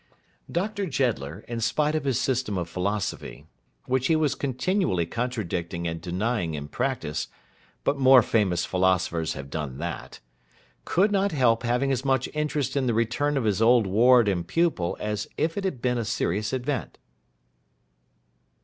Dr. Jeddler, in spite of his system of philosophy—which he was continually contradicting and denying in practice, but more famous philosophers have done that—could not help having as much interest in the return of his old ward and pupil as if it had been a serious event.